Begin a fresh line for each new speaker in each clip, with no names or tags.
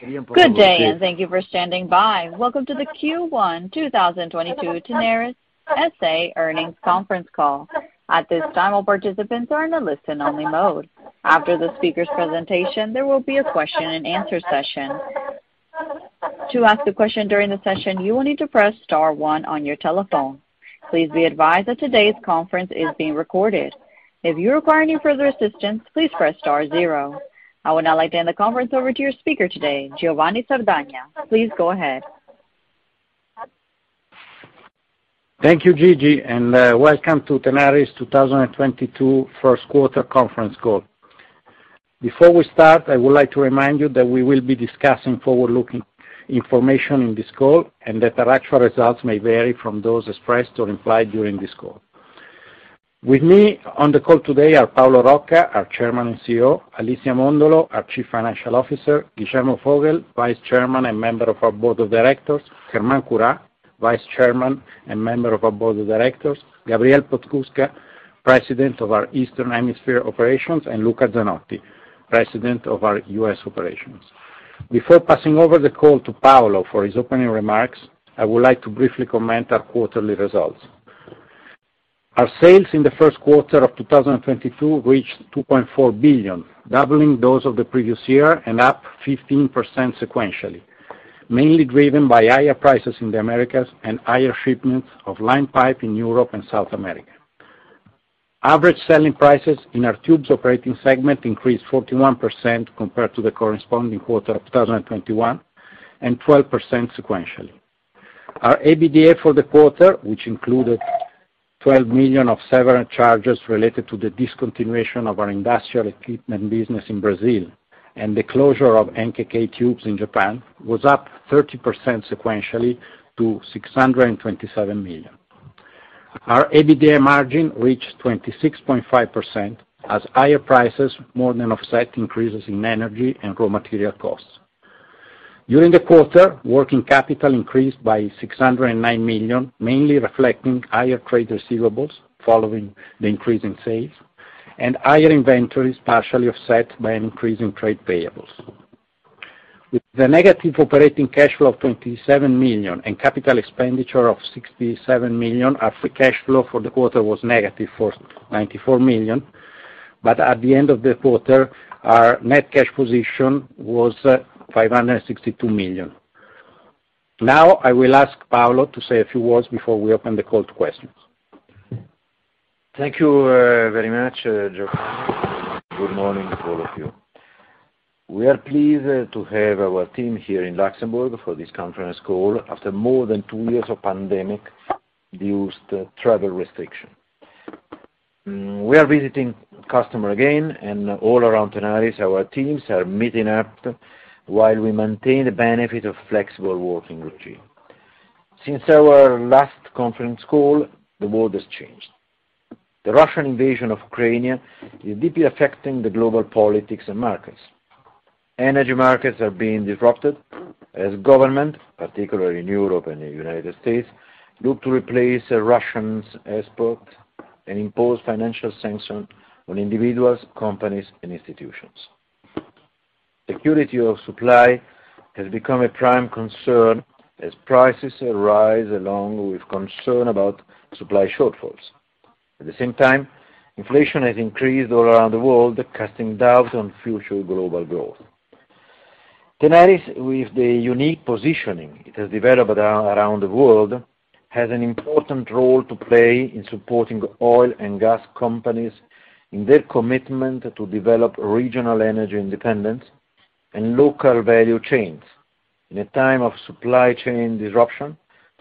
Good day, and thank you for standing by. Welcome to the Q1 2022 Tenaris S.A. Earnings Conference Call. At this time, all participants are in a listen-only mode. After the speakers' presentation, there will be a question-and-answer session. To ask a question during the session, you will need to press star one on your telephone. Please be advised that today's conference is being recorded. If you require any further assistance, please press star zero. I would now like to hand the conference over to your speaker today, Giovanni Sardagna. Please go ahead.
Thank you, Gigi, and welcome to Tenaris' 2022 first quarter conference call. Before we start, I would like to remind you that we will be discussing forward-looking information in this call and that our actual results may vary from those expressed or implied during this call. With me on the call today are Paolo Rocca, our Chairman and CEO, Alicia Mondolo, our Chief Financial Officer, Guillermo Vogel, Vice Chairman and member of our board of directors, Germán Curá, Vice Chairman and member of our board of directors, Gabriel Podskubka, President of our Eastern Hemisphere operations, and Luca Zanotti, President of our U.S. operations. Before passing over the call to Paolo for his opening remarks, I would like to briefly comment on our quarterly results. Our sales in the first quarter of 2022 reached $2.4 billion, doubling those of the previous year and up 15% sequentially, mainly driven by higher prices in the Americas and higher shipments of line pipe in Europe and South America. Average selling prices in our tubes operating segment increased 41% compared to the corresponding quarter of 2021, and 12% sequentially. Our EBITDA for the quarter, which included $12 million of severance charges related to the discontinuation of our industrial equipment business in Brazil and the closure of NKKTubes in Japan, was up 30% sequentially to $627 million. Our EBITDA margin reached 26.5% as higher prices more than offset increases in energy and raw material costs. During the quarter, working capital increased by $609 million, mainly reflecting higher trade receivables following the increase in sales and higher inventories partially offset by an increase in trade payables. With the negative operating cash flow of $27 million and capital expenditure of $67 million, our free cash flow for the quarter was negative $94 million. At the end of the quarter, our net cash position was $562 million. Now I will ask Paolo to say a few words before we open the call to questions.
Thank you, very much, Giovanni. Good morning, all of you. We are pleased to have our team here in Luxembourg for this conference call after more than two years of pandemic-induced travel restrictions. We are visiting customers again, and all around Tenaris, our teams are meeting up while we maintain the benefit of flexible working routine. Since our last conference call, the world has changed. The Russian invasion of Ukraine is deeply affecting the global politics and markets. Energy markets are being disrupted as governments, particularly in Europe and the United States, look to replace Russia's exports and impose financial sanctions on individuals, companies and institutions. Security of supply has become a prime concern as prices rise along with concern about supply shortfalls. At the same time, inflation has increased all around the world, casting doubt on future global growth. Tenaris, with the unique positioning it has developed around the world, has an important role to play in supporting oil and gas companies in their commitment to develop regional energy independence and local value chains in a time of supply chain disruption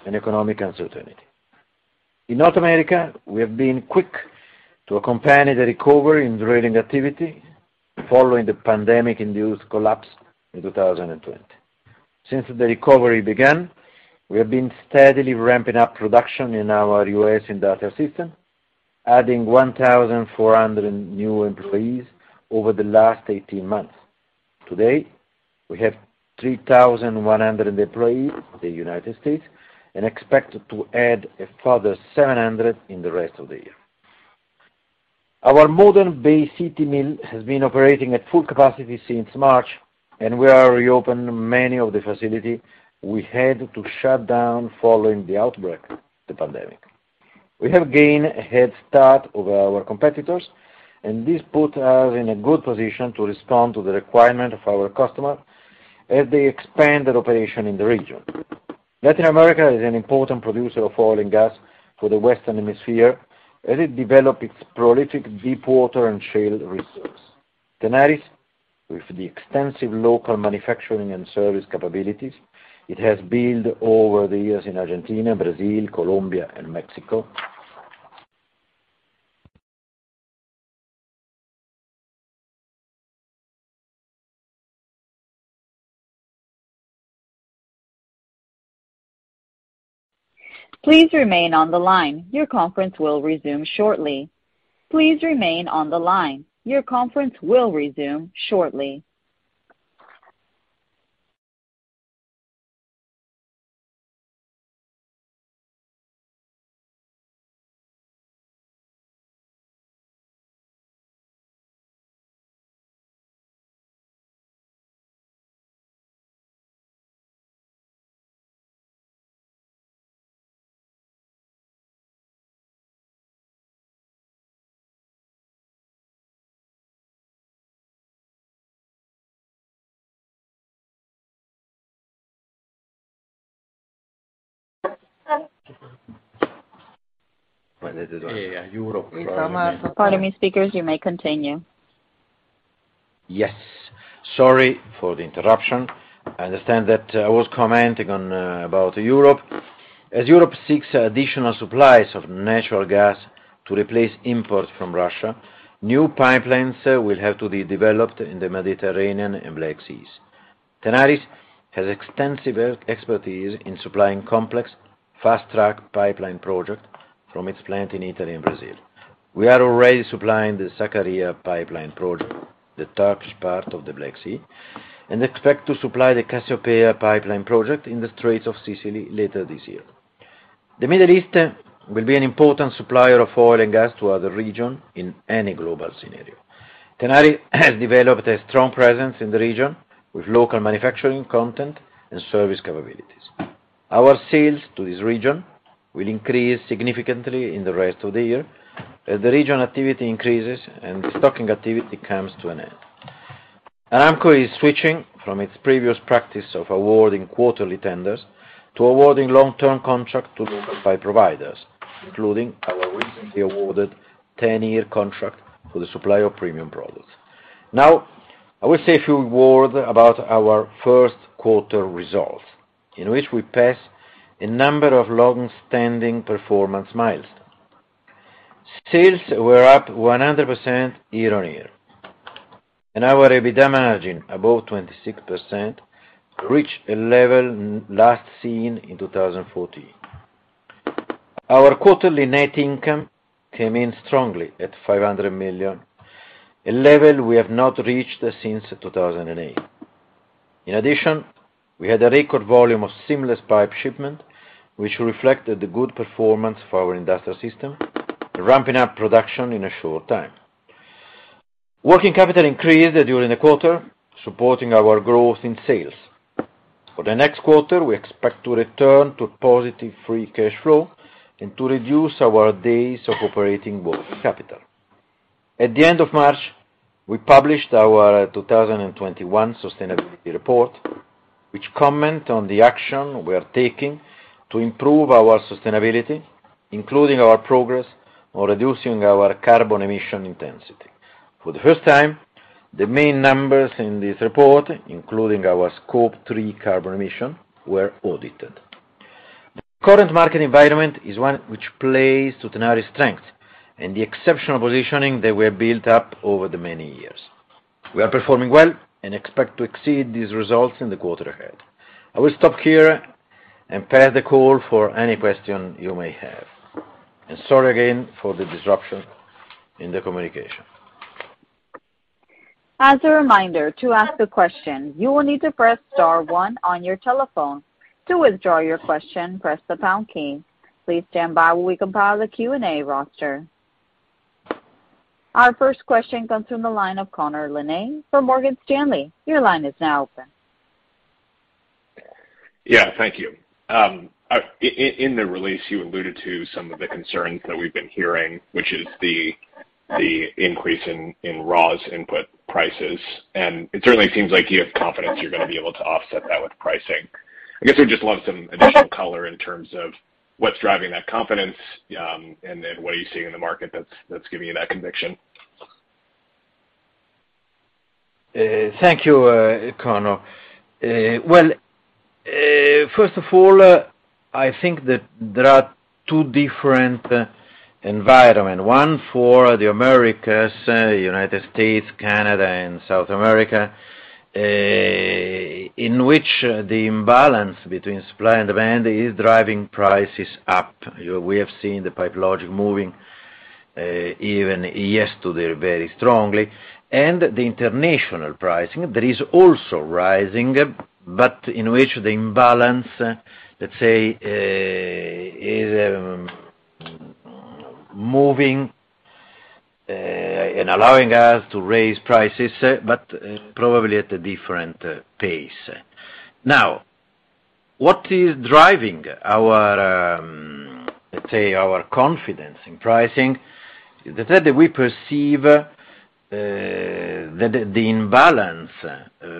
and economic uncertainty. In North America, we have been quick to accompany the recovery in drilling activity following the pandemic-induced collapse in 2020. Since the recovery began, we have been steadily ramping up production in our U.S. industrial system, adding 1,400 new employees over the last 18 months. Today, we have 3,100 employees in the United States and expect to add a further 700 in the rest of the year. Our modern Bay City mill has been operating at full capacity since March, and we are reopening many of the facilities we had to shut down following the outbreak of the pandemic. We have gained a head start over our competitors, and this puts us in a good position to respond to the requirements of our customers as they expand their operations in the region. Latin America is an important producer of oil and gas for the Western Hemisphere as it develops its prolific deep water and shale resources. Tenaris, with the extensive local manufacturing and service capabilities it has built over the years in Argentina, Brazil, Colombia, and Mexico.
Please remain on the line. Your conference will resume shortly. Please remain on the line. Your conference will resume shortly. Pardon me, speakers, you may continue.
Yes. Sorry for the interruption. I understand that I was commenting on about Europe. As Europe seeks additional supplies of natural gas to replace imports from Russia, new pipelines will have to be developed in the Mediterranean and Black Sea. Tenaris has extensive expertise in supplying complex fast-track pipeline project from its plant in Italy and Brazil. We are already supplying the Sakarya Pipeline Project, the Turkish part of the Black Sea, and expect to supply the Cassiopea Pipeline Project in the Strait of Sicily later this year. The Middle East will be an important supplier of oil and gas to other region in any global scenario. Tenaris has developed a strong presence in the region, with local manufacturing content and service capabilities. Our sales to this region will increase significantly in the rest of the year as the region activity increases and the stocking activity comes to an end. Aramco is switching from its previous practice of awarding quarterly tenders to awarding long-term contract to local pipe providers, including our recently awarded ten-year contract for the supply of premium products. Now, I will say a few words about our first quarter results, in which we passed a number of long-standing performance milestones. Sales were up 100% year-over-year. Our EBITDA margin, above 26%, reached a level last seen in 2014. Our quarterly net income came in strongly at $500 million, a level we have not reached since 2008. In addition, we had a record volume of seamless pipe shipment, which reflected the good performance for our industrial system, ramping up production in a short time. Working capital increased during the quarter, supporting our growth in sales. For the next quarter, we expect to return to positive free cash flow and to reduce our days of operating working capital. At the end of March, we published our 2021 sustainability report, which comment on the action we are taking to improve our sustainability, including our progress on reducing our carbon emission intensity. For the first time, the main numbers in this report, including our Scope 3 carbon emissions, were audited. The current market environment is one which plays to Tenaris strength and the exceptional positioning that we have built up over the many years. We are performing well and expect to exceed these results in the quarter ahead. I will stop here and pass the call for any question you may have. Sorry again for the disruption in the communication.
As a reminder, to ask a question, you will need to press star one on your telephone. To withdraw your question, press the pound key. Please stand by while we compile the Q&A roster. Our first question comes from the line of Connor Lynagh from Morgan Stanley. Your line is now open.
Yeah, thank you. In the release, you alluded to some of the concerns that we've been hearing, which is the increase in raw input prices. It certainly seems like you have confidence you're gonna be able to offset that with pricing. I guess I would just love some additional color in terms of what's driving that confidence, and then what are you seeing in the market that's giving you that conviction?
Thank you, Connor. Well, first of all, I think that there are two different environment. One, for the Americas, United States, Canada, and South America, in which the imbalance between supply and demand is driving prices up. You know, we have seen the Pipe Logix moving, even yesterday, very strongly. The international pricing, that is also rising, but in which the imbalance, let's say, is moving, and allowing us to raise prices, but, probably at a different pace. Now, what is driving our, let's say, our confidence in pricing? That we perceive the imbalance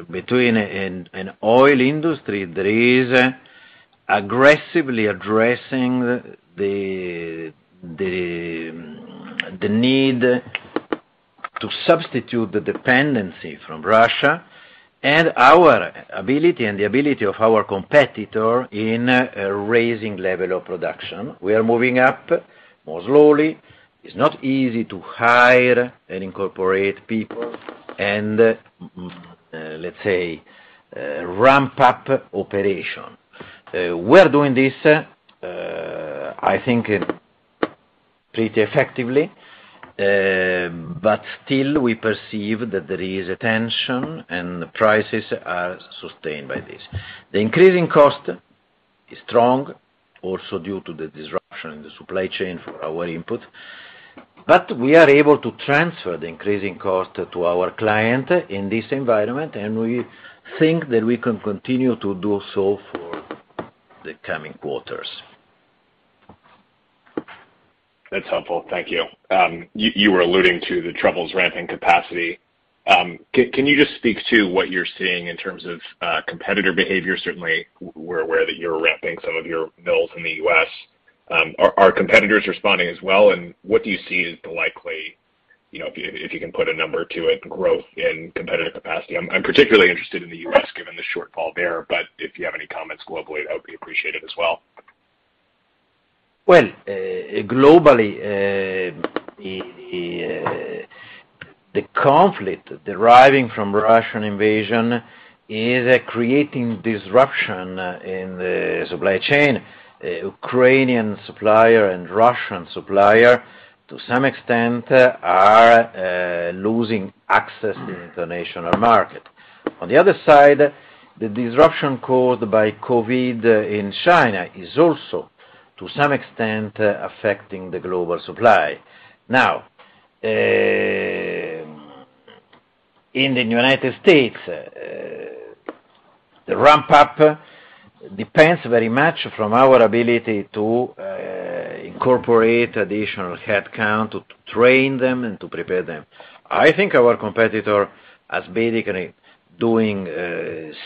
between an oil industry that is aggressively addressing the need to substitute the dependency from Russia and our ability and the ability of our competitor in raising level of production. We are moving up more slowly. It's not easy to hire and incorporate people and, let's say, ramp up operation. We're doing this, I think pretty effectively, but still we perceive that there is a tension, and the prices are sustained by this. The increasing costs is strong, also due to the disruption in the supply chain for our input. We are able to transfer the increasing cost to our client in this environment, and we think that we can continue to do so for the coming quarters.
That's helpful. Thank you. You were alluding to the troubles ramping capacity. Can you just speak to what you're seeing in terms of competitor behavior? Certainly, we're aware that you're ramping some of your mills in the U.S. Are competitors responding as well, and what do you see is the likely, you know, if you can put a number to it, growth in competitive capacity? I'm particularly interested in the U.S. given the shortfall there, but if you have any comments globally, that would be appreciated as well.
Well, globally, the conflict deriving from Russian invasion is creating disruption in the supply chain. Ukrainian supplier and Russian supplier, to some extent, are losing access to international market. On the other side, the disruption caused by COVID in China is also, to some extent, affecting the global supply. Now, in the United States, the ramp up depends very much from our ability to incorporate additional headcount, to train them and to prepare them. I think our competitor has basically doing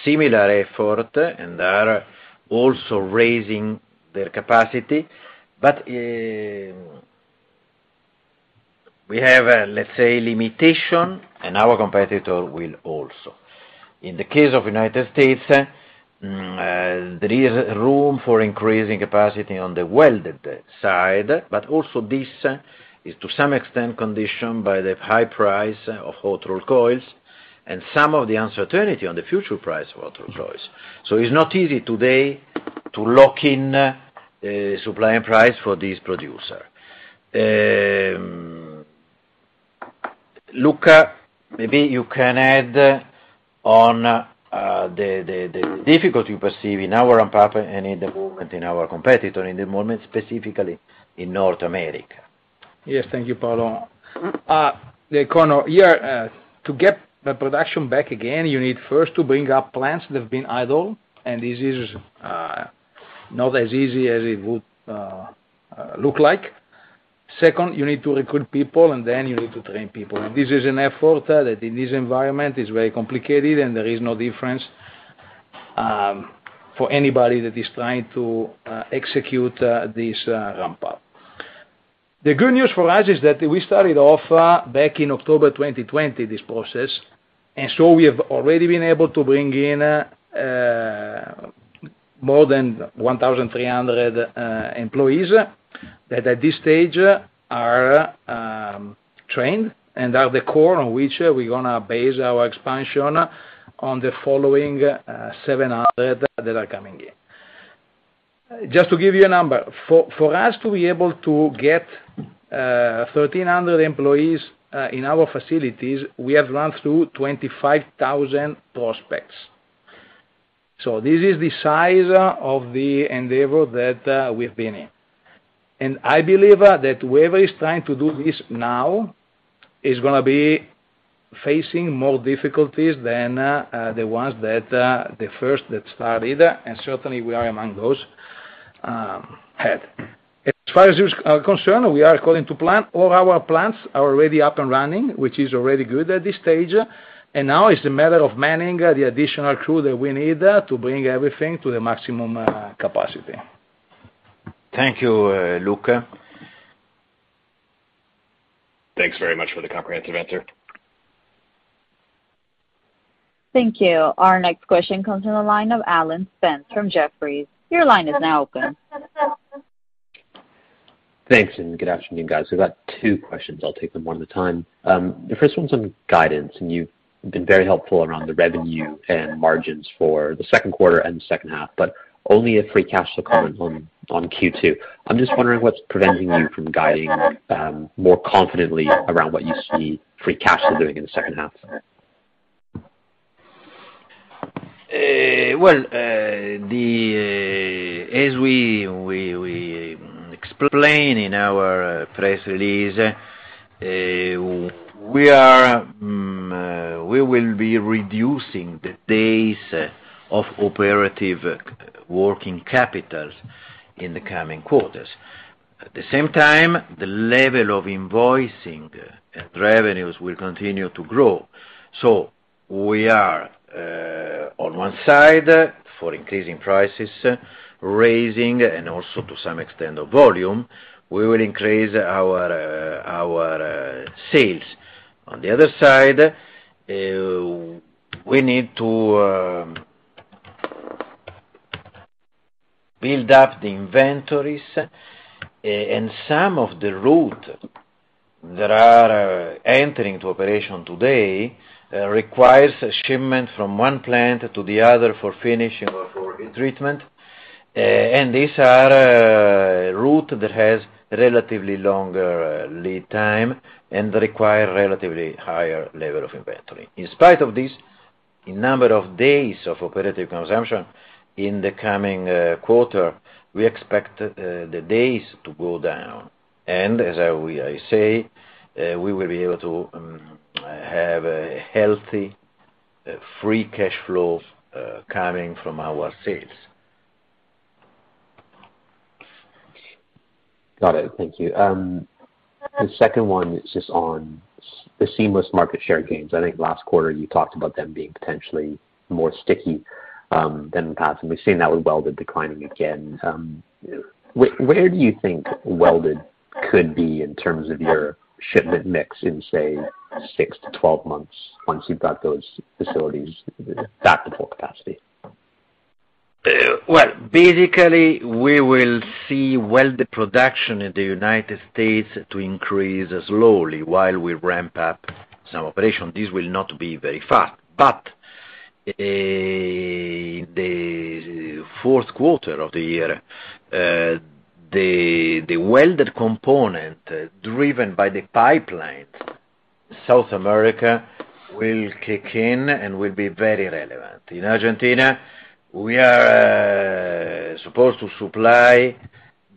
similar effort and are also raising their capacity. We have, let's say, limitation, and our competitor will also. In the case of United States, there is room for increasing capacity on the welded side, but also this is to some extent conditioned by the high price of hot-rolled coils and some of the uncertainty on the future price of hot-rolled coils. It's not easy today to lock in supply and price for this producer. Luca, maybe you can add on the difficulty you perceive in our ramp up and in the movement in our competitor in the moment, specifically in North America.
Yes. Thank you, Paolo. The current year, to get the production back again, you need first to bring up plants that have been idle, and this is not as easy as it would look like. Second, you need to recruit people, and then you need to train people. This is an effort that in this environment is very complicated, and there is no difference for anybody that is trying to execute this ramp up. The good news for us is that we started off back in October 2020, this process, and so we have already been able to bring in more than 1,300 employees that at this stage are trained and are the core on which we're gonna base our expansion on the following 700 that are coming in. Just to give you a number, for us to be able to get 1,300 employees in our facilities, we have run through 25,000 prospects. This is the size of the endeavor that we've been in. I believe that whoever is trying to do this now is gonna be facing more difficulties than the ones that the first that started, and certainly we are among those had. As far as this are concerned, we are according to plan. All our plans are already up and running, which is already good at this stage. Now it's a matter of manning the additional crew that we need to bring everything to the maximum capacity.
Thank you, Luca.
Thanks very much for the comprehensive answer.
Thank you. Our next question comes from the line of Jamie Franklin from Jefferies. Your line is now open.
Thanks, good afternoon, guys. I've got two questions. I'll take them one at a time. The first one's on guidance, and you've been very helpful around the revenue and margins for the second quarter and second half, but only a free cash flow comment on Q2. I'm just wondering what's preventing you from guiding more confidently around what you see free cash flow doing in the second half.
As we explain in our press release, we will be reducing the pace of operating working capital in the coming quarters. At the same time, the level of invoicing and revenues will continue to grow. We are on one side from increasing prices and also to some extent from volume. We will increase our sales. On the other side, we need to build up the inventories. Some of the routes that are entering into operation today require a shipment from one plant to the other for finishing or for treatment. These are routes that have relatively longer lead times and require relatively higher levels of inventory. In spite of this, the number of days of operative consumption in the coming quarter, we expect the days to go down. As I will say, we will be able to have a healthy free cash flows coming from our sales.
Got it. Thank you. The second one is just on the seamless market share gains. I think last quarter you talked about them being potentially more sticky, than in the past, and we've seen now with welded declining again. Where do you think welded could be in terms of your shipment mix in, say, six to 12 months once you've got those facilities back to full capacity?
Well, basically, we will see welded production in the United States increase slowly while we ramp up some operation. This will not be very fast. The fourth quarter of the year, the welded component driven by the pipeline, South America will kick in and will be very relevant. In Argentina, we are supposed to supply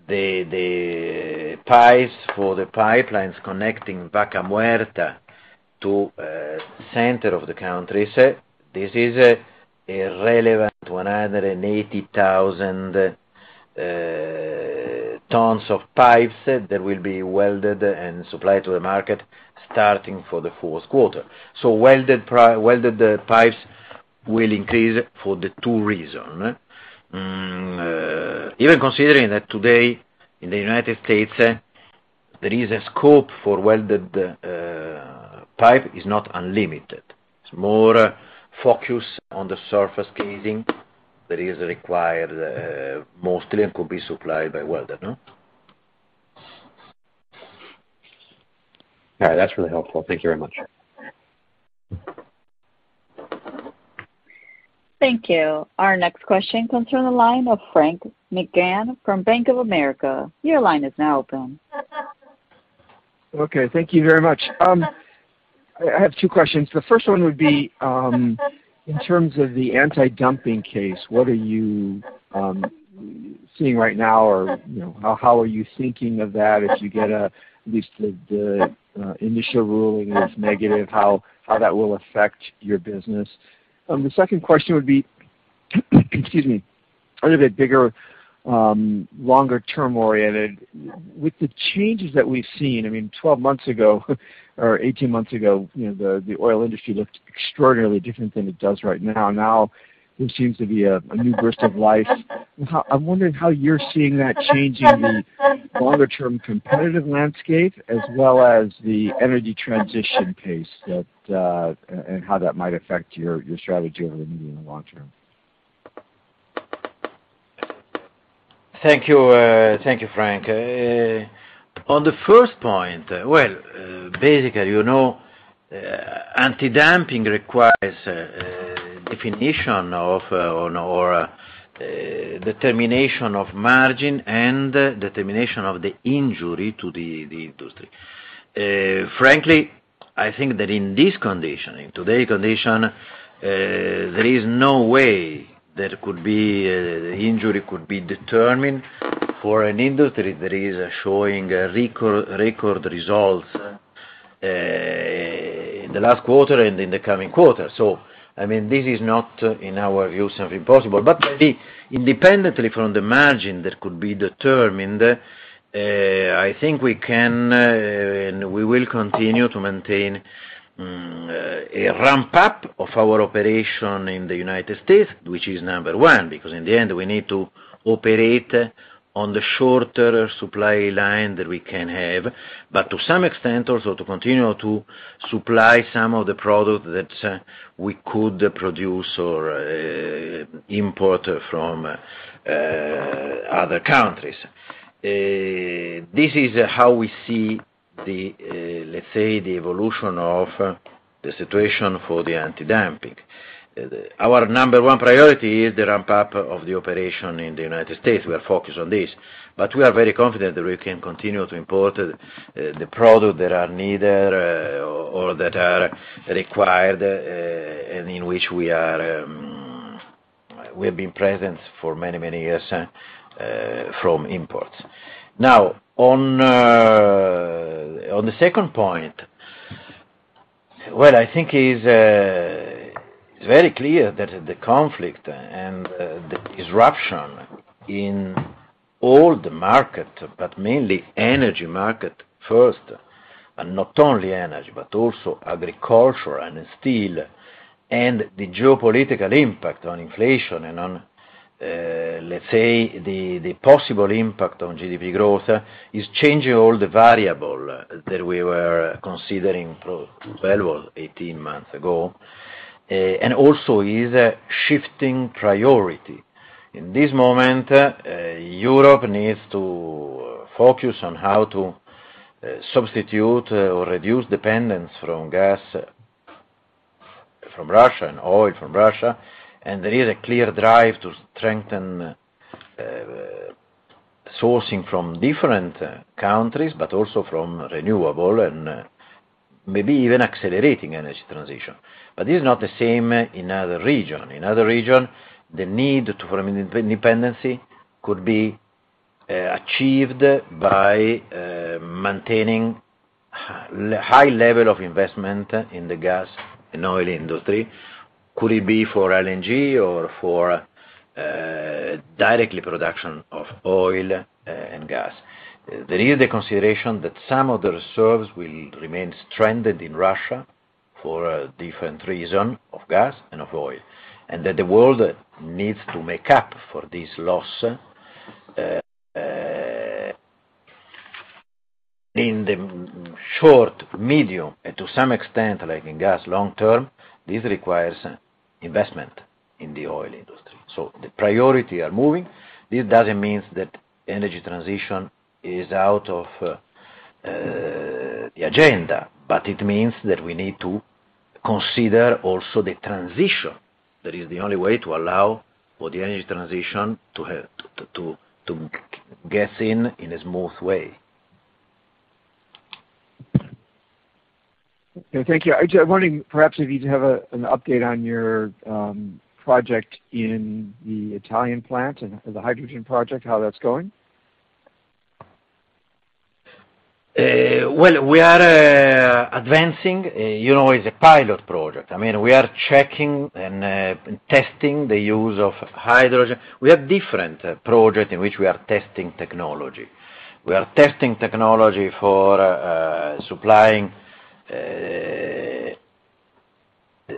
the pipes for the pipelines connecting Vaca Muerta to the center of the country. This is a relevant 180,000 tons of pipes that will be welded and supplied to the market starting for the fourth quarter. Welded pipes will increase for the two reason. Even considering that today in the United States, there is a scope for welded pipe is not unlimited. It's more focused on the surface casing that is required, mostly, and could be supplied by welded.
All right. That's really helpful. Thank you very much.
Thank you. Our next question comes from the line of Frank McGann from Bank of America. Your line is now open.
Okay. Thank you very much. I have two questions. The first one would be, in terms of the anti-dumping case, what are you seeing right now? Or, you know, how are you thinking of that if you get a, at least the initial ruling is negative, how that will affect your business? The second question would be, excuse me, a little bit bigger, longer term oriented. With the changes that we've seen, I mean, 12 months ago or 18 months ago, you know, the oil industry looked extraordinarily different than it does right now. Now there seems to be a new burst of life. How? I'm wondering how you're seeing that changing the longer term competitive landscape as well as the energy transition pace that, and how that might affect your strategy over the medium and long term.
Thank you. Thank you, Frank. On the first point, well, basically, you know, anti-dumping requires definition or determination of margin and determination of the injury to the industry. Frankly, I think that in this condition, in today's condition, there is no way the injury could be determined for an industry that is showing record results in the last quarter and in the coming quarter. I mean, this is not, in our view, something possible. Maybe independently from the margin that could be determined, I think we can, and we will continue to maintain, a ramp up of our operation in the United States, which is number one, because in the end, we need to operate on the shorter supply line that we can have, but to some extent also to continue to supply some of the product that we could produce or import from other countries. This is how we see, let's say, the evolution of the situation for the anti-dumping. Our number one priority is the ramp up of the operation in the United States. We are focused on this, but we are very confident that we can continue to import the product that are needed or that are required, and in which we are, we have been present for many, many years from imports. Now, on the second point, what I think is very clear that the conflict and the disruption in all the market, but mainly energy market first, and not only energy, but also agriculture and steel, and the geopolitical impact on inflation and on, let's say, the possible impact on GDP growth is changing all the variable that we were considering 12 or 18 months ago. And also is shifting priority. In this moment, Europe needs to focus on how to substitute or reduce dependence from gas from Russia and oil from Russia, and there is a clear drive to strengthen sourcing from different countries, but also from renewable and maybe even accelerating energy transition. This is not the same in other region. In other region, the need to form an independence could be achieved by maintaining high level of investment in the gas and oil industry. Could it be for LNG or for direct production of oil and gas. There is the consideration that some of the reserves will remain stranded in Russia for a different reason of gas and of oil, and that the world needs to make up for this loss, in the short, medium, and to some extent, like in gas, long term, this requires investment in the oil industry. The priority are moving. This doesn't mean that energy transition is out of the agenda, but it means that we need to consider also the transition. That is the only way to allow for the energy transition to have to get in in a smooth way.
Okay, thank you. I'm wondering perhaps if you have an update on your project in the Italian plant and the hydrogen project, how that's going?
Well, we are advancing. You know, it's a pilot project. I mean, we are checking and testing the use of hydrogen. We have different projects in which we are testing technology. We are testing technology for supplying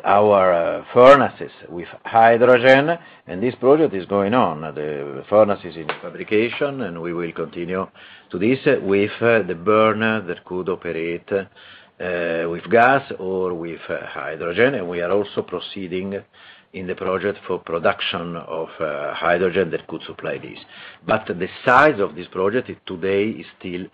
our furnaces with hydrogen, and this project is going on. The furnace is in fabrication, and we will continue to this with the burner that could operate with gas or with hydrogen. We are also proceeding in the project for production of hydrogen that could supply this. The size of this project today is still,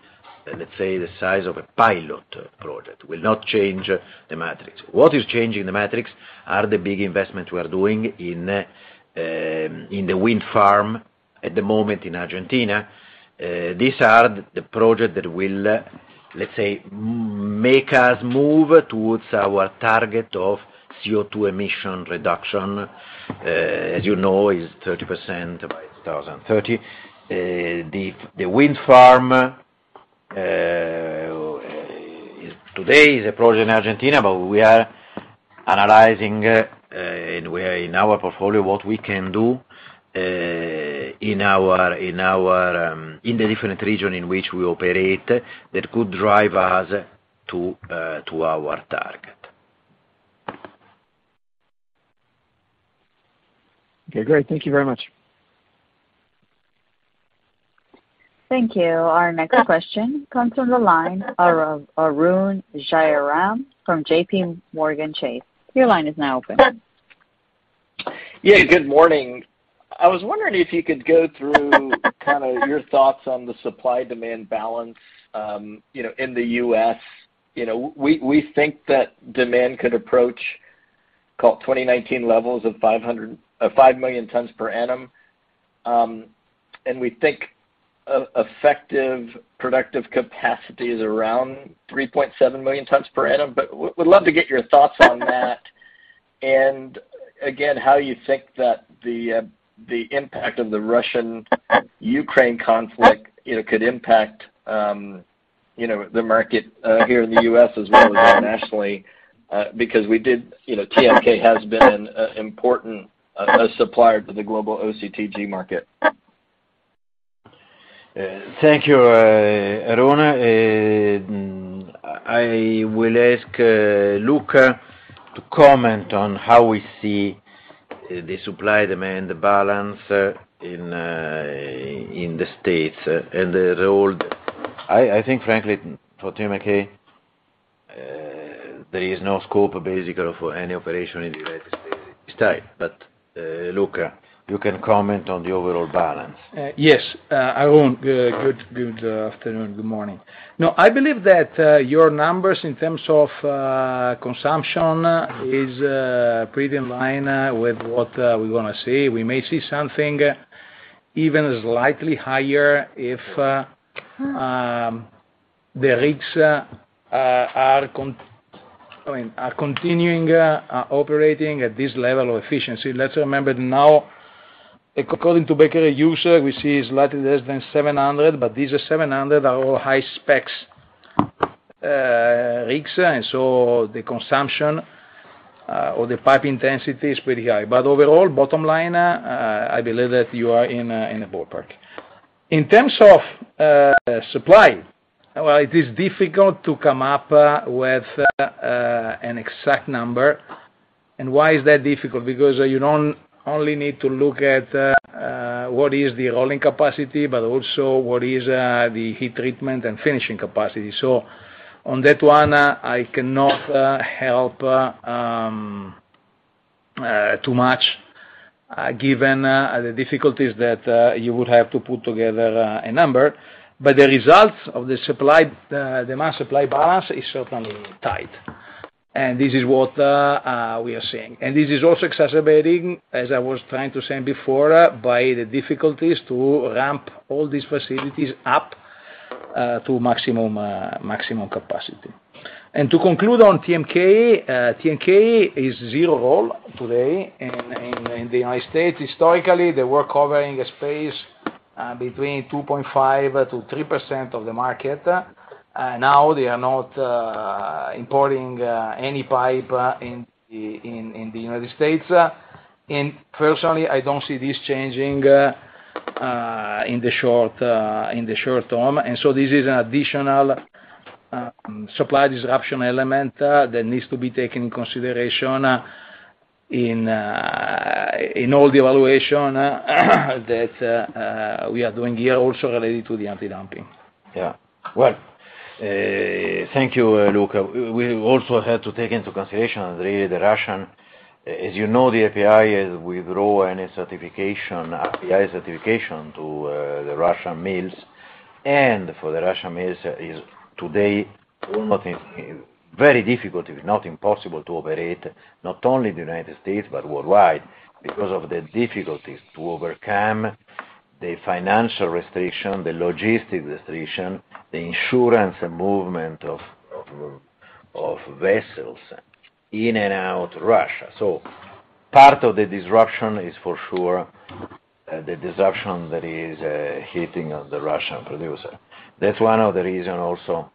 let's say, the size of a pilot project. It will not change the metrics. What is changing the metrics are the big investments we are doing in the wind farm at the moment in Argentina. These are the project that will, let's say, make us move towards our target of CO2 emission reduction. As you know, is 30% by 2030. The wind farm today is a project in Argentina, but we are analyzing and we are in our portfolio what we can do in our in the different region in which we operate that could drive us to our target.
Okay, great. Thank you very much.
Thank you. Our next question comes from the line of Arun Jayaram from JPMorgan Chase. Your line is now open.
Yeah, good morning. I was wondering if you could go through kind of your thoughts on the supply-demand balance, you know, in the U.S. You know, we think that demand could approach call it 2019 levels of five million tons per annum. We think effective productive capacity is around 3.7 million tons per annum. We'd love to get your thoughts on that and again, how you think that the impact of the Russian-Ukraine conflict, you know, could impact the market here in the U.S. as well as internationally, because we did, you know, TMK has been an important supplier to the global OCTG market.
Thank you, Arun. I will ask Luca to comment on how we see the supply-demand balance in the States and the role that I think frankly for TMK there is no scope basically for any operation in the United States. Luca, you can comment on the overall balance.
Yes, Arun, good afternoon, good morning. No, I believe that your numbers in terms of consumption is pretty in line with what we want to see. We may see something even slightly higher if the rigs are continuing operating at this level of efficiency. Let's remember now, according to Baker Hughes, we see slightly less than 700, but these 700 are all high specs rigs. The consumption or the pipe intensity is pretty high. Overall, bottom line, I believe that you are in a ballpark. In terms of supply, well, it is difficult to come up with an exact number. Why is that difficult? Because you don't only need to look at what is the rolling capacity, but also what is the heat treatment and finishing capacity. On that one, I cannot help too much, given the difficulties that you would have to put together a number. The results of the market supply balance is certainly tight, and this is what we are seeing. This is also exacerbating, as I was trying to say before, by the difficulties to ramp all these facilities up to maximum capacity. To conclude on TMK has zero role today in the United States. Historically, they were covering a space between 2.5%-3% of the market. Now, they are not importing any pipe in the United States. Personally, I don't see this changing in the short term. This is an additional supply disruption element that needs to be taken in consideration in all the evaluation that we are doing here also related to the antidumping.
Yeah. Well, thank you, Luca. We also have to take into consideration really the Russian. As you know, the API withdrew any certification, API certification to the Russian mills. For the Russian mills it is today very difficult, if not impossible, to operate not only the United States, but worldwide because of the difficulties to overcome the financial restriction, the logistic restriction, the insurance and movement of vessels in and out of Russia. Part of the disruption is for sure the disruption that is hitting on the Russian producer. That's one of the reason also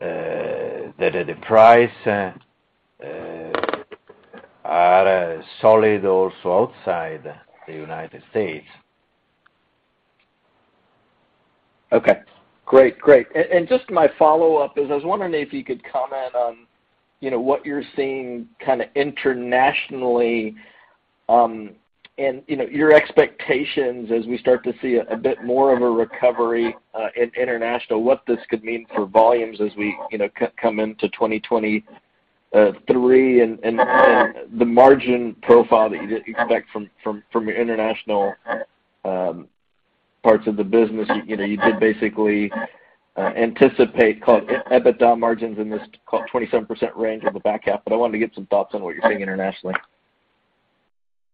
that the price are solid also outside the United States.
Okay. Great. Just my follow-up is I was wondering if you could comment on, you know, what you're seeing kind of internationally, and, you know, your expectations as we start to see a bit more of a recovery in international, what this could mean for volumes as we, you know, come into 2023. The margin profile that you expect from your international parts of the business. You know, you did basically anticipate EBITDA margins in this 27% range on the back half, but I wanted to get some thoughts on what you're seeing internationally.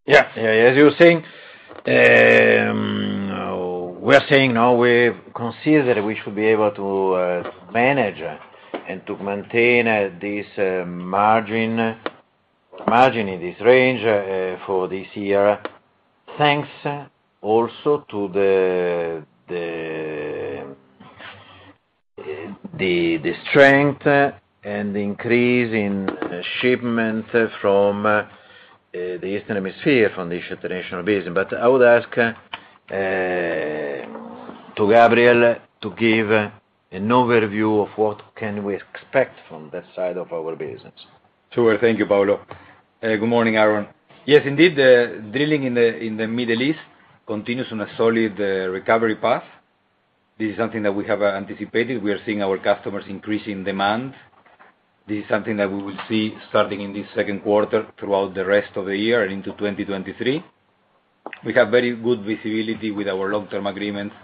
Yeah. As you were saying, we're saying now we consider we should be able to manage and to maintain this margin in this range for this year. Thanks also to the strength and the increase in shipment from the Eastern Hemisphere from the international business. I would ask to Gabriel Podskubka to give an overview of what can we expect from that side of our business.
Sure. Thank you, Paolo. Good morning, Arun. Yes, indeed, the drilling in the Middle East continues on a solid recovery path. This is something that we have anticipated. We are seeing our customers increasing demand. This is something that we will see starting in this second quarter throughout the rest of the year and into 2023. We have very good visibility with our long-term agreements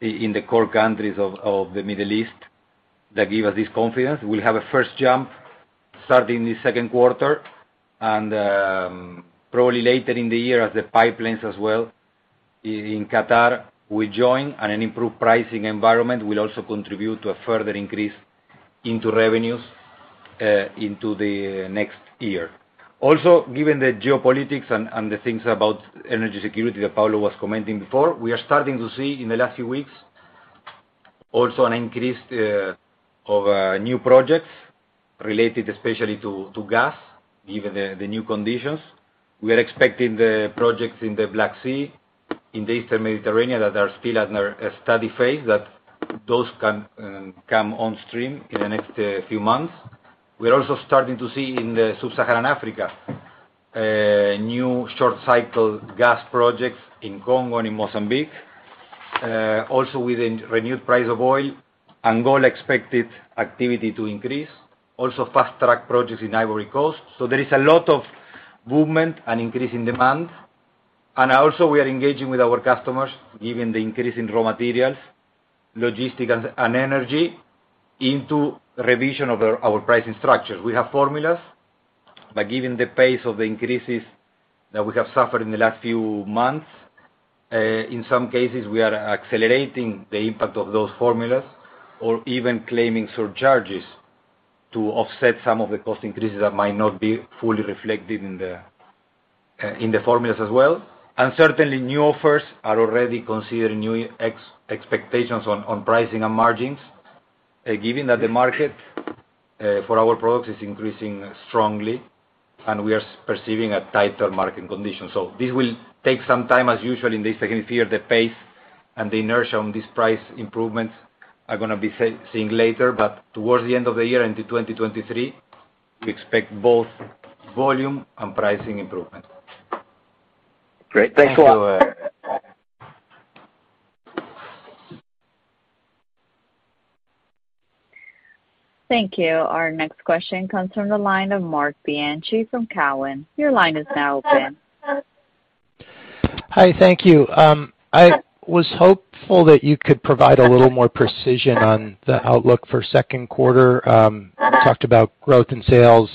in the core countries of the Middle East that give us this confidence. We'll have a first jump starting this second quarter, and probably later in the year as the pipelines as well in Qatar will join, and an improved pricing environment will also contribute to a further increase into revenues into the next year. Given the geopolitics and the things about energy security that Paolo was commenting before, we are starting to see in the last few weeks also an increase of new projects related especially to gas, given the new conditions. We are expecting the projects in the Black Sea, in the Eastern Mediterranean that are still at a study phase, that those can come on stream in the next few months. We are also starting to see in Sub-Saharan Africa new short-cycle gas projects in Congo and in Mozambique. Also with the renewed price of oil, Angola expected activity to increase, also fast-track projects in Ivory Coast. There is a lot of movement and increase in demand. Also we are engaging with our customers, given the increase in raw materials, logistics and energy in the revision of our pricing structure. We have formulas, but given the pace of the increases that we have suffered in the last few months, in some cases, we are accelerating the impact of those formulas or even claiming surcharges to offset some of the cost increases that might not be fully reflected in the formulas as well. Certainly, new offers are already considering new expectations on pricing and margins, given that the market for our products is increasing strongly and we are perceiving a tighter market condition. This will take some time as usual in the second year, the pace and the inertia on this price improvements are gonna be seen later. Towards the end of the year into 2023, we expect both volume and pricing improvement.
Great. Thanks a lot.
Thank you. Our next question comes from the line of Marc Bianchi from Cowen. Your line is now open.
Hi. Thank you. I was hopeful that you could provide a little more precision on the outlook for second quarter. Talked about growth in sales,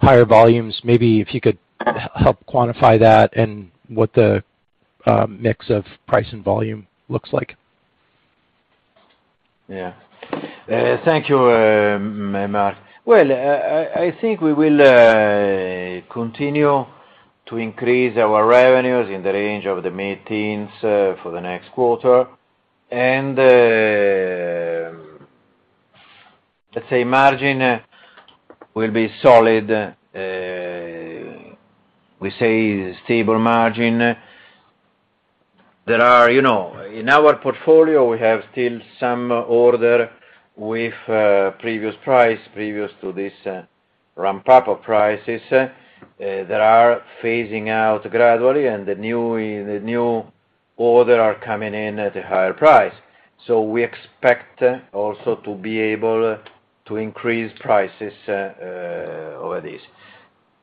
higher volumes, maybe if you could help quantify that and what the mix of price and volume looks like?
Yeah. Thank you, Marc. Well, I think we will continue to increase our revenues in the range of the mid-teens for the next quarter. Let's say margin will be solid. We say stable margin. There are you know, in our portfolio, we have still some order with previous price, previous to this ramp-up of prices that are phasing out gradually, and the new order are coming in at a higher price. We expect also to be able to increase prices over this.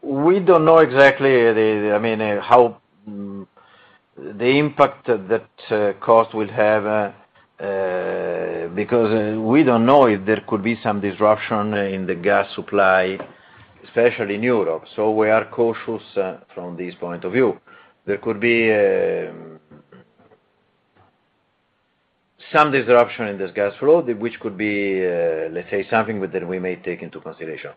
We don't know exactly the I mean, how the impact that cost will have because we don't know if there could be some disruption in the gas supply, especially in Europe. We are cautious from this point of view. There could be some disruption in this gas flow, which could be, let's say, something that we may take into consideration.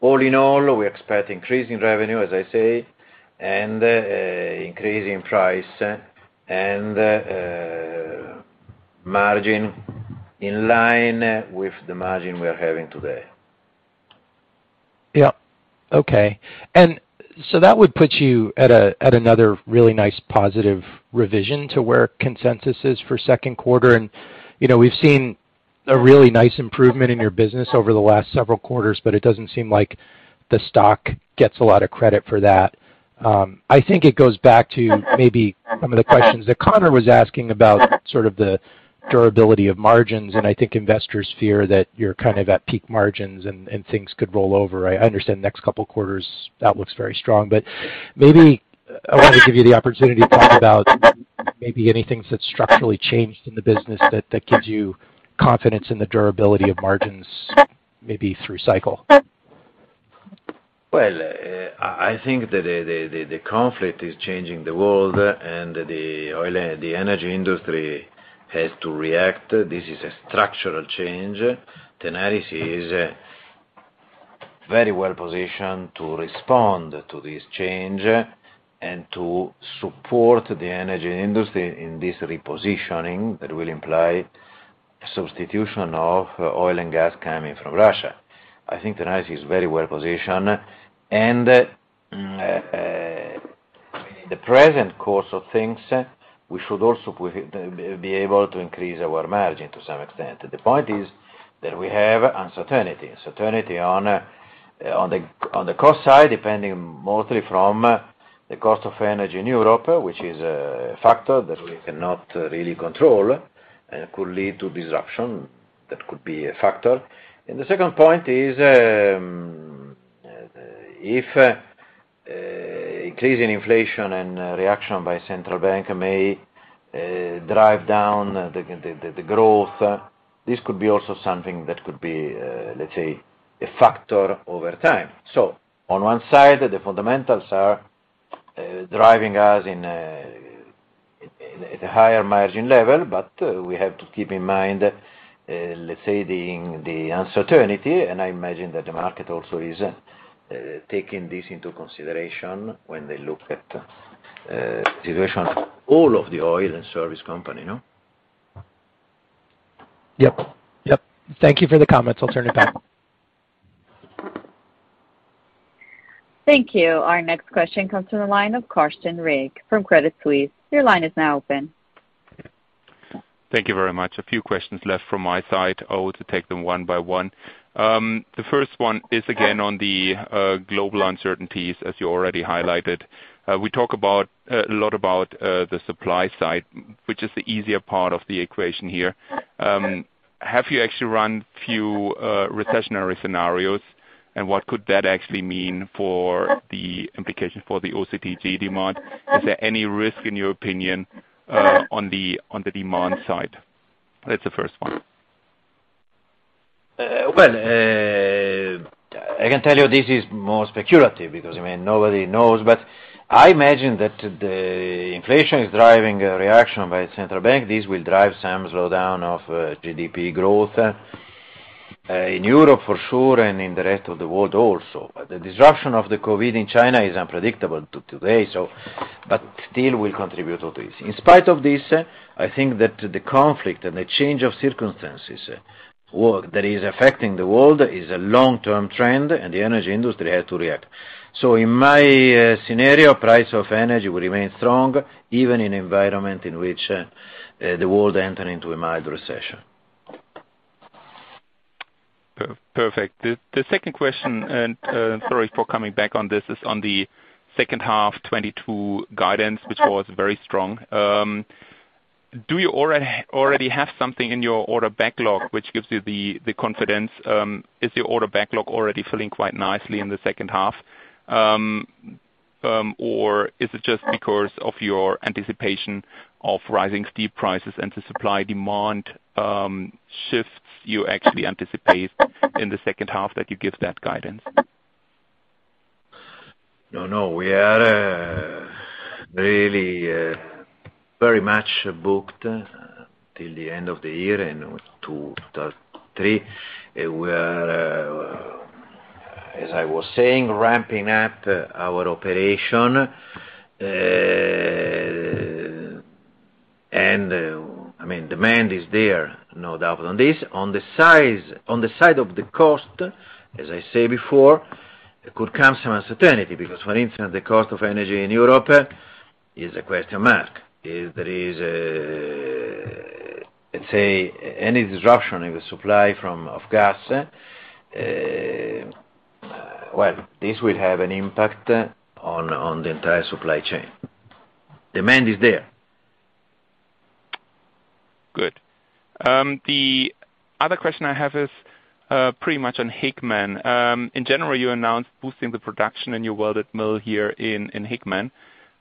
All in all, we expect increase in revenue, as I say, and increase in price and margin in line with the margin we're having today.
Yeah. Okay. That would put you at a, at another really nice positive revision to where consensus is for second quarter. You know, we've seen a really nice improvement in your business over the last several quarters, but it doesn't seem like the stock gets a lot of credit for that. I think it goes back to maybe some of the questions that Connor was asking about, sort of the durability of margins, and I think investors fear that you're kind of at peak margins and things could roll over. I understand the next couple quarters outlook's very strong. Maybe I want to give you the opportunity to talk about maybe any things that structurally changed in the business that gives you confidence in the durability of margins, maybe through cycle.
Well, I think that the conflict is changing the world, and the energy industry has to react. This is a structural change. Tenaris is very well positioned to respond to this change and to support the energy industry in this repositioning that will imply substitution of oil and gas coming from Russia. I think Tenaris is very well positioned. In the present course of things, we should also be able to increase our margin to some extent. The point is that we have uncertainty on the cost side, depending mostly from the cost of energy in Europe, which is a factor that we cannot really control and could lead to disruption. That could be a factor. The second point is, if increase in inflation and reaction by central bank may drive down the growth, this could be also something that could be, let's say, a factor over time. On one side, the fundamentals are driving us at a higher margin level, but we have to keep in mind, let's say, the uncertainty, and I imagine that the market also is taking this into consideration when they look at situation of all of the oil and service company, you know?
Yep. Thank you for the comments. I'll turn it back.
Thank you. Our next question comes from the line of Carsten Riek from Credit Suisse. Your line is now open.
Thank you very much. A few questions left from my side. I want to take them one by one. The first one is again on the global uncertainties, as you already highlighted. We talk about a lot about the supply side, which is the easier part of the equation here. Have you actually run few recessionary scenarios, and what could that actually mean for the implication for the OCTG demand? Is there any risk, in your opinion, on the demand side? That's the first one.
Well, I can tell you this is more speculative because, I mean, nobody knows. I imagine that the inflation is driving a reaction by central bank. This will drive some slowdown of GDP growth in Europe for sure and in the rest of the world also. The disruption of the COVID in China is unpredictable today, but still will contribute to this. In spite of this, I think that the conflict and the change of circumstances that is affecting the world is a long-term trend, and the energy industry has to react. In my scenario, price of energy will remain strong, even in environment in which the world enter into a mild recession.
Perfect. The second question, sorry for coming back on this, is on the second half 2022 guidance, which was very strong. Do you already have something in your order backlog which gives you the confidence? Is your order backlog already filling quite nicely in the second half? Or is it just because of your anticipation of rising steel prices and the supply-demand shifts you actually anticipate in the second half that you give that guidance?
No, no. We are really very much booked till the end of the year and 2023. We are, as I was saying, ramping up our operation. I mean, demand is there, no doubt on this. On the side of the cost, as I say before, it could come some uncertainty, because for instance, the cost of energy in Europe is a question mark. If there is, let's say any disruption in the supply of gas, well, this will have an impact on the entire supply chain. Demand is there.
Good. The other question I have is pretty much on Hickman. In general, you announced boosting the production in your welded mill here in Hickman,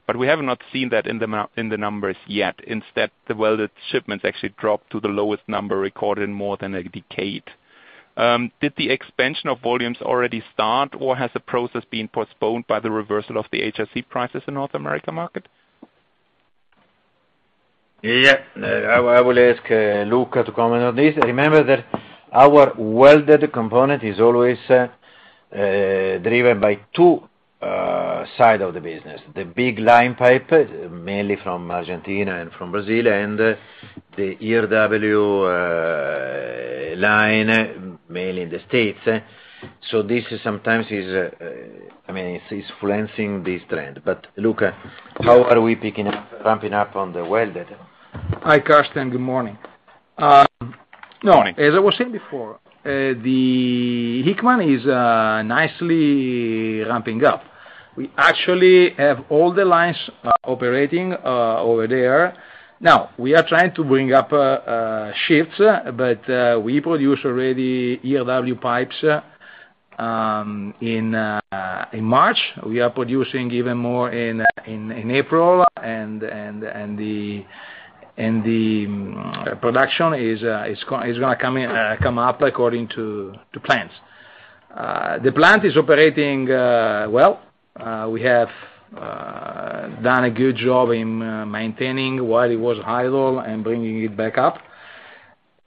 but we have not seen that in the numbers yet. Instead, the welded shipments actually dropped to the lowest number recorded in more than a decade. Did the expansion of volumes already start, or has the process been postponed by the reversal of the HRC prices in the North American market?
Yeah, I will ask Luca to comment on this. Remember that our welded component is always driven by two sides of the business. The big line pipe, mainly from Argentina and from Brazil, and the ERW line, mainly in the States. This sometimes is, I mean, it's influencing this trend. Luca, how are we ramping up on the welded?
Hi, Carsten. Good morning.
Morning.
As I was saying before, the Hickman is nicely ramping up. We actually have all the lines operating over there. Now, we are trying to bring up shifts, but we produce already ERW pipes in March. We are producing even more in April, and the production is gonna come up according to plans. The plant is operating well. We have done a good job in maintaining while it was idle and bringing it back up.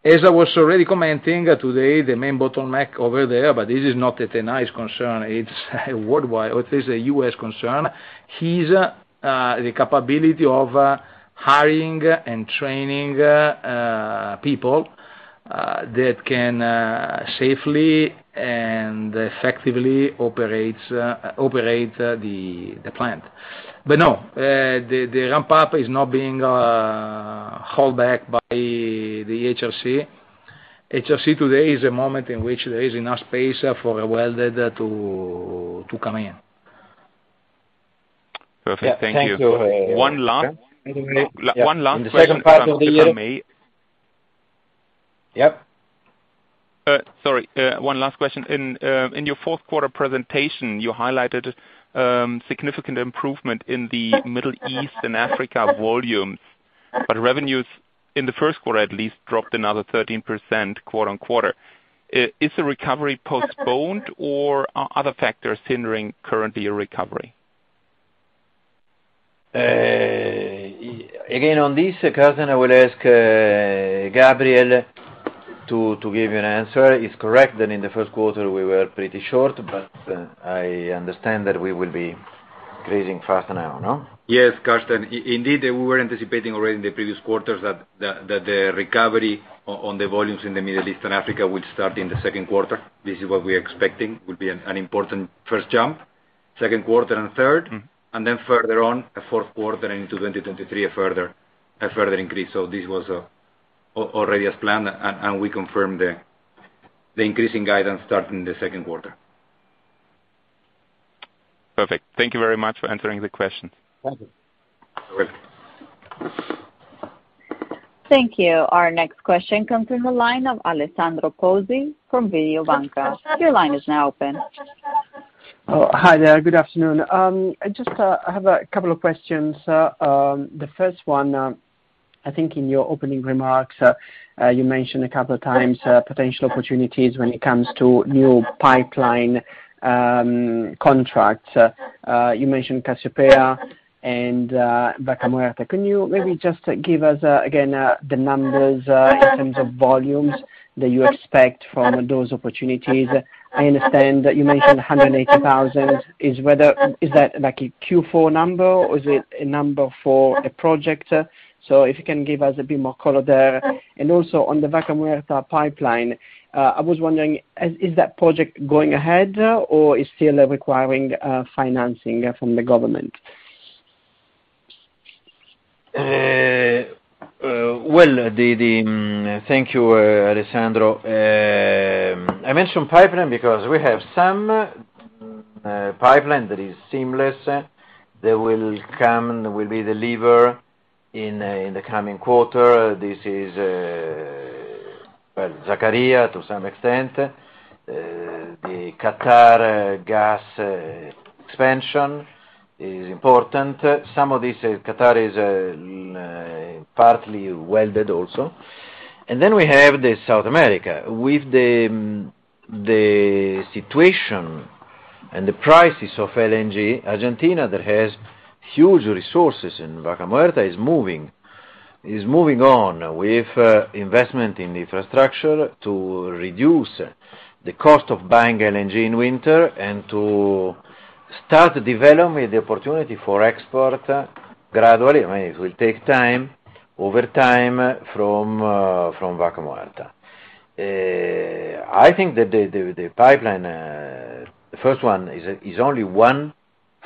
As I was already commenting today, the main bottleneck over there, but this is not a Tenaris concern, it's a worldwide, or it is a U.S. concern, is the capability of hiring and training people that can safely and effectively operate the plant. No, the ramp up is not being held back by the HLC. HLC today is a moment in which there is enough space for a welder to come in.
Perfect. Thank you.
Thank you.
One last question from me.
Yep.
Sorry, one last question. In your fourth quarter presentation, you highlighted significant improvement in the Middle East and Africa volumes. Revenues in the first quarter at least dropped another 13% quarter-on-quarter. Is the recovery postponed or are other factors hindering currently your recovery?
Again, on this, Carsten, I will ask Gabriel to give you an answer. It's correct that in the first quarter we were pretty short, but I understand that we will be increasing faster now, no?
Yes, Carsten. Indeed, we were anticipating already in the previous quarters that the recovery on the volumes in the Middle East and Africa will start in the second quarter. This is what we are expecting, will be an important first jump, second quarter and third, and then further on, a fourth quarter into 2023, a further increase. This was already as planned, and we confirm the increasing guidance starting the second quarter.
Perfect. Thank you very much for answering the questions.
Thank you.
Perfect.
Thank you. Our next question comes from the line of Alessandro Pozzi from Mediobanca. Your line is now open.
Oh, hi there. Good afternoon. I just have a couple of questions. The first one, I think in your opening remarks, you mentioned a couple of times potential opportunities when it comes to new pipeline contracts. You mentioned Cassiopea and Vaca Muerta. Can you maybe just give us again the numbers in terms of volumes that you expect from those opportunities? I understand you mentioned 180,000. Is that like a Q4 number, or is it a number for a project? So if you can give us a bit more color there. Also on the Vaca Muerta pipeline, I was wondering, is that project going ahead or is still requiring financing from the government?
Well, thank you, Alessandro. I mentioned pipeline because we have some pipeline that is seamless, that will come, will be delivered in the coming quarter. This is well, Sakarya to some extent. The Qatar gas expansion is important. Some of this Qatar is partly welded also. We have South America. With the situation and the prices of LNG, Argentina, that has huge resources in Vaca Muerta, is moving. Is moving on with investment in infrastructure to reduce the cost of buying LNG in winter and to start developing the opportunity for export gradually. I mean, it will take time, over time, from Vaca Muerta. I think the pipeline, the first one is only the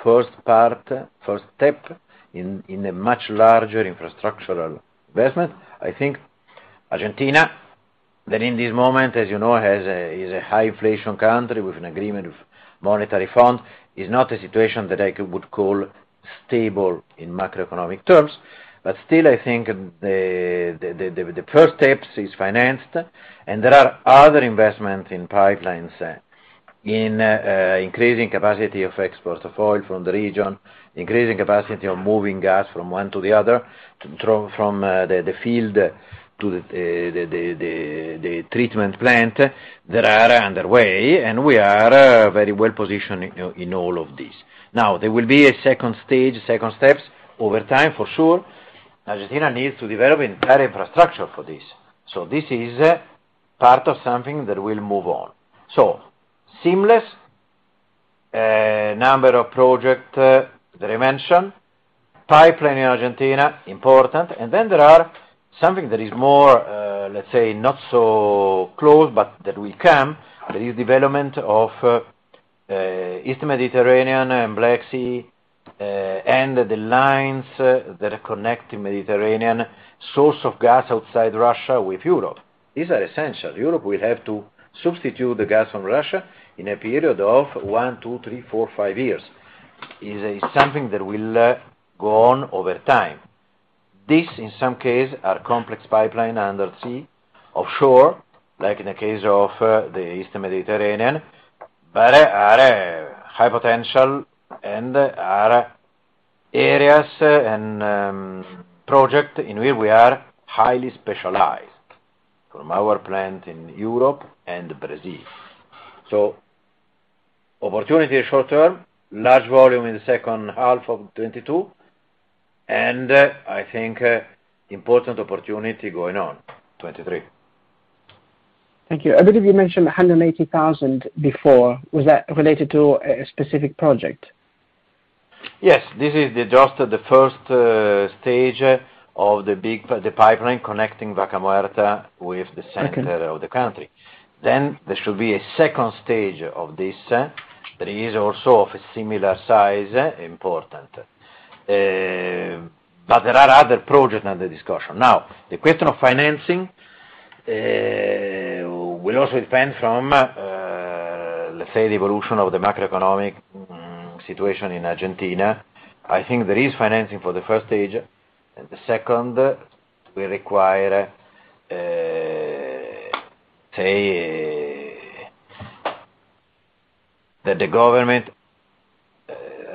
first part, first step in a much larger infrastructural investment. I think Argentina, that in this moment, as you know, is a high inflation country with an agreement with the IMF, is not a situation that I would call stable in macroeconomic terms. Still, I think the first steps are financed, and there are other investments in pipelines, increasing capacity of exports of oil from the region, increasing capacity of moving gas from one to the other, from the field to the treatment plant that are underway, and we are very well positioned in all of this. Now, there will be a second stage, second steps over time, for sure. Argentina needs to develop entire infrastructure for this. This is part of something that will move on. Seamless number of project that I mentioned. Pipeline in Argentina, important. Then there are something that is more, let's say, not so close, but that will come, the new development of East Mediterranean and Black Sea, and the lines that are connecting Mediterranean source of gas outside Russia with Europe. These are essential. Europe will have to substitute the gas from Russia in a period of one, two, three, four, five years. It is something that will go on over time. This, in some case, are complex pipeline under sea, offshore, like in the case of the East Mediterranean, but are high potential and are areas and project in where we are highly specialized from our plant in Europe and Brazil. So opportunity, short-term, large volume in the second half of 2022. I think important opportunity going on 2023.
Thank you. I believe you mentioned 180,000 before. Was that related to a specific project?
Yes. This is the draft of the first stage of the pipeline connecting Vaca Muerta with the center of the country. There should be a second stage of this, that is also of a similar size, important. There are other projects under discussion. Now, the question of financing will also depend from, let's say, the evolution of the macroeconomic situation in Argentina. I think there is financing for the first stage, and the second will require, say that the government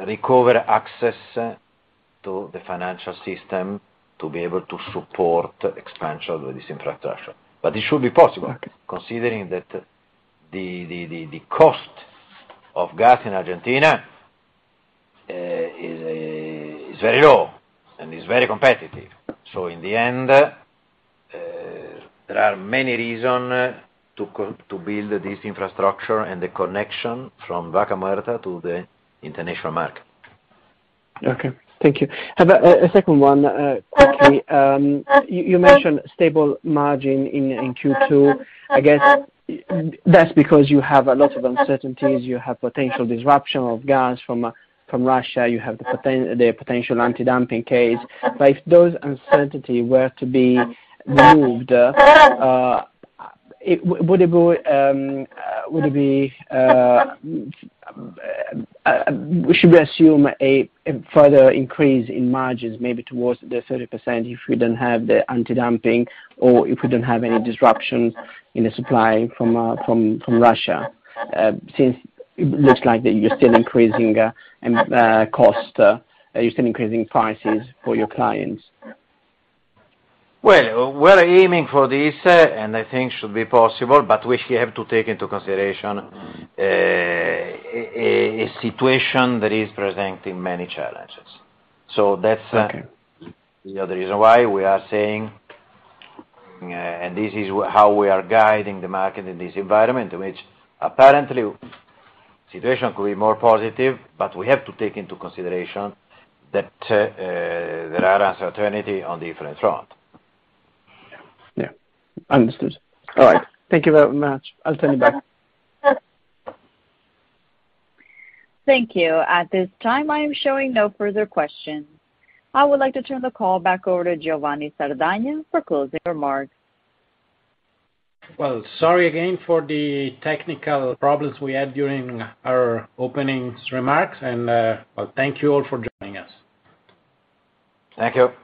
recover access to the financial system to be able to support expansion with this infrastructure. It should be possible, considering that the cost of gas in Argentina is very low and is very competitive. In the end, there are many reason to build this infrastructure and the connection from Vaca Muerta to the international market.
Okay. Thank you. How about a second one, quickly. You mentioned stable margin in Q2. I guess that's because you have a lot of uncertainties. You have potential disruption of gas from Russia. You have the potential antidumping case. If those uncertainty were to be removed, would it be we should assume a further increase in margins, maybe towards the 30% if we don't have the antidumping or if we don't have any disruption in the supply from Russia, since it looks like that you're still increasing cost, you're still increasing prices for your clients.
Well, we're aiming for this, and I think should be possible, but we have to take into consideration, a situation that is presenting many challenges. That's,
Okay.
The other reason why we are saying, and this is how we are guiding the market in this environment, which apparently situation could be more positive, but we have to take into consideration that there are uncertainty on different front.
Yeah. Understood. All right. Thank you very much. I'll send it back.
Thank you. At this time, I am showing no further questions. I would like to turn the call back over to Giovanni Sardagna for closing remarks.
Well, sorry again for the technical problems we had during our opening remarks, and, well thank you all for joining us.
Thank you.